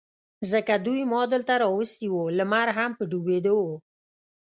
ځکه دوی ما دلته را وستي و، لمر هم په ډوبېدو و.